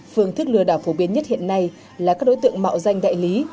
phương thức lừa đảo phổ biến nhất hiện nay là các đối tượng mạo danh đại lý